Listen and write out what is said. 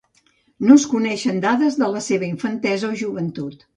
No es coneixen dades de la seva infantesa o joventut.